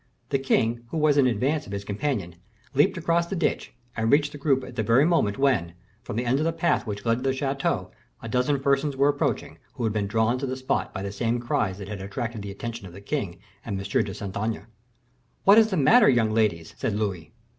The king, who was in advance of his companion, leaped across the ditch, and reached the group at the very moment when, from the end of the path which led to the chateau, a dozen persons were approaching, who had been drawn to the spot by the same cries that had attracted the attention of the king and M. de Saint Aignan. "What is the matter, young ladies?" said Louis.